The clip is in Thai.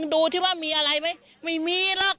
ดูเห้ยมันมีอะไรมั้ยไม่มีแล้ว